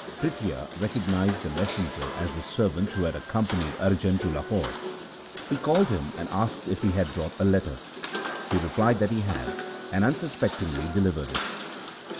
Prithia recognized the messenger as the servant who had accompanied Arjan to Lahore. He called him, and asked if he had brought a letter. He replied that he had, and unsuspectingly delivered it.